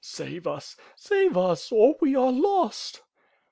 Save us! Save us! — or we are lost."